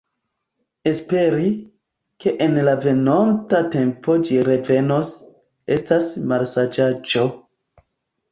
Esperi, ke en la venonta tempo ĝi revenos, estas malsaĝaĵo.